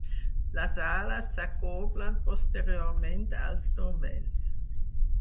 Les ales s'acoblen posteriorment als turmells.